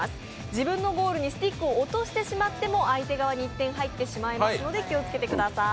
自分ゴールにスティックを落としてしまっても相手側に１点入ってしまいますので気をつけてください。